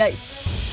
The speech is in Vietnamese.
không chè đậy